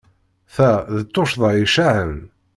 Ta d tuccḍa icaɛen.